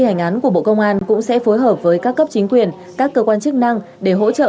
hành án của bộ công an cũng sẽ phối hợp với các cấp chính quyền các cơ quan chức năng để hỗ trợ